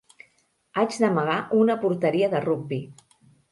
Haig d'amagar una porteria de rugbi.